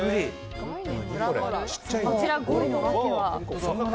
こちら、５位の訳は？